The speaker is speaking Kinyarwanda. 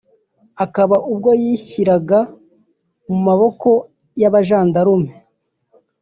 akaba ubwo yishyiraga mu maboko y’abajandarume